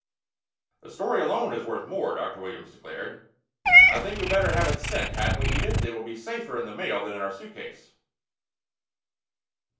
"The story alone is worth more," Dr. Williams declared. "I think we'd better have it sent, hadn't we, Edith? It'll be safer in the mail than in our suitcase."